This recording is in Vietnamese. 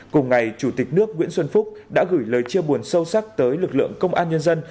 cùng ngày chủ tịch nước nguyễn xuân phúc đã gửi lời chia buồn sâu sắc tới lực lượng công an nhân dân